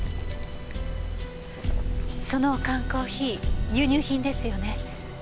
その缶コーヒー輸入品ですよね？